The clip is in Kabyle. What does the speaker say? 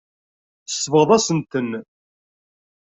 Tsebɣeḍ-asent-ten.